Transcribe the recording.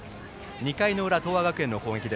２回の裏、東亜学園の攻撃。